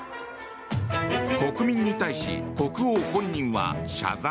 国民に対し国王本人は謝罪。